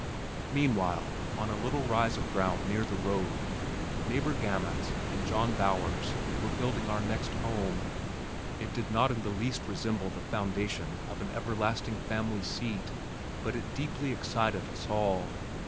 Meanwhile, on a little rise of ground near the road, neighbor Gammons and John Bowers were building our next home. It did not in the least resemble the foundation of an everlasting family seat, but it deeply excited us all.